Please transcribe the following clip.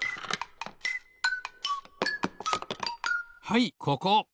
はいここ。